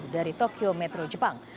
dari tokyo metro jepang